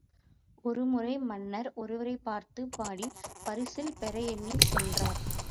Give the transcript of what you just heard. —— ஒருமுறை, மன்னர் ஒருவரைப் பார்த்துப் பாடிப் பரிசில் பெறஎண்ணிச் சென்றார்.